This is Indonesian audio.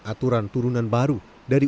aturan turunan baru dari